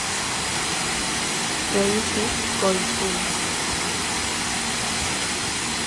Keiji Koizumi